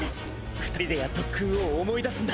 ２人でやった特訓を思い出すんだ。